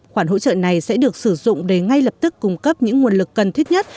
khoản hỗ trợ này sẽ được sử dụng để ngay lập tức cung cấp những nguồn lực cần thiết nhất